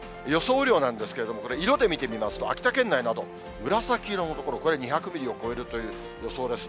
雨量なんですけれども、これ、色で見てみますと、秋田県内など、紫色の所、これ、２００ミリを超えるという予想です。